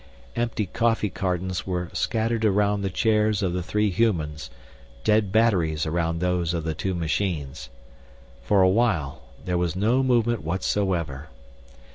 Empty coffee cartons were scattered around the chairs of the three humans, dead batteries around those of the two machines. For a while, there was no movement whatsoever.